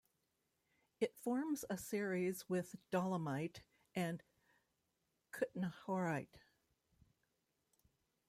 It forms a series with dolomite and kutnohorite.